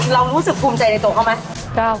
เรารู้สึกภูมิใจในตัวเขาไหม